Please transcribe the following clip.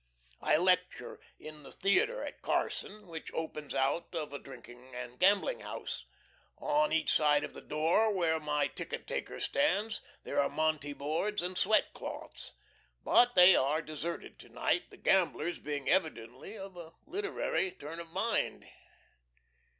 .... I lecture in the theatre at Carson, which opens out of a drinking and gambling house. On each side of the door where my ticket taker stands there are monte boards and sweat cloths, but they are deserted to night, the gamblers being evidently of a literary turn of mind.